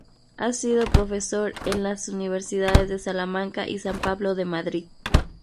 Ha sido profesor en las universidades de Salamanca y San Pablo de Madrid.